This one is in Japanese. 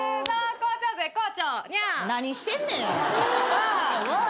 何してんねん。わ。